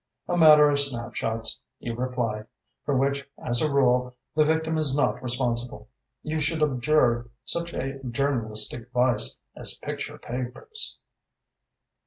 "A matter of snapshots," he replied, "for which, as a rule, the victim is not responsible. You should abjure such a journalistic vice as picture papers."